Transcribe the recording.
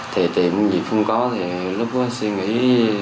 thì tiện gì cũng không có thì lúc đó suy nghĩ